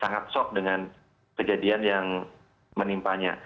sangat soft dengan kejadian yang menimpanya